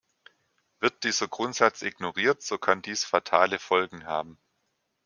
Wird dieser Grundsatz ignoriert, so kann dies fatale Folgen haben.